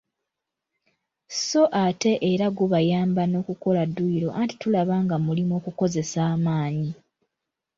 So ate era gubayamba n’okukola dduyiro anti tulaba nga mulimu okukozesa amaanyi.